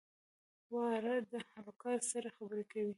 واړه هلکان سترې خبرې کوي.